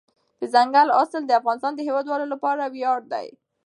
دځنګل حاصلات د افغانستان د هیوادوالو لپاره ویاړ دی.